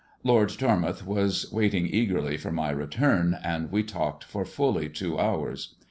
Lord Tormouth was waiting eagerly for my return, and we talked for fully two hours.